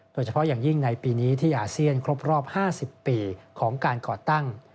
โดยเฉพาะอย่างยิ่งในปีนี้ที่อาเซียนครบรอบ๕๐ปีของการก่อตั้ง